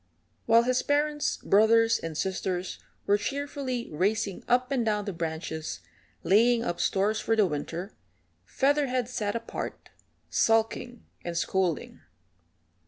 While his parents, brothers, and sisters were cheerfully racing up and down the branches laying up stores for the winter, Featherhead sat apart, sulking and scolding.